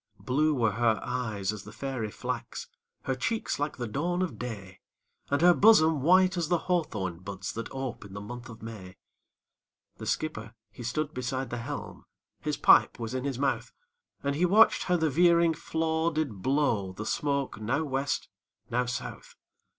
Blue were her eyes as the fairy flax, Her cheeks like the dawn of day, And her bosom white as the hawthorn buds, That ope in the month of May. The skipper he stood beside the helm, His pipe was in his mouth, And he watched how the veering flaw did blow The smoke now West, now South.